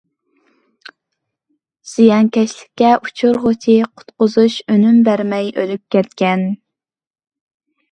زىيانكەشلىككە ئۇچرىغۇچى قۇتقۇزۇش ئۈنۈم بەرمەي ئۆلۈپ كەتكەن.